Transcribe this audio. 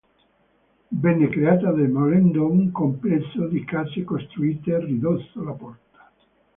Venne creata demolendo un complesso di case costruite ridosso la porta.